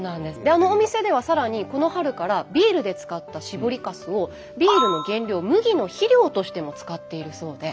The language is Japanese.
あのお店ではさらにこの春からビールで使った搾りかすをビールの原料麦の肥料としても使っているそうで。